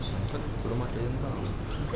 dan juga sudah start menambah